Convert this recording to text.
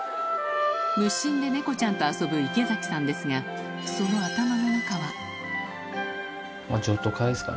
無心で猫ちゃんと遊ぶ池崎さんですが寂しいし。